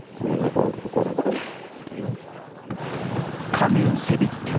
［金をせびっては］